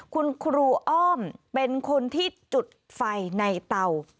คุณครูอ้อมเป็นคนที่จุดไฟในเตา